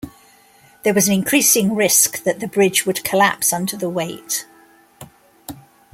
There was an increasing risk that the bridge would collapse under the weight.